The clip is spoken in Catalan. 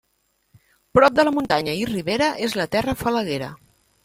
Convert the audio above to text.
Prop de la muntanya i ribera és la terra falaguera.